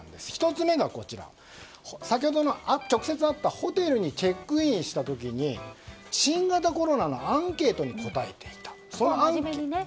１つ目が、先ほどの直接会ったホテルにチェックインした時に新型コロナのアンケートに答えていた。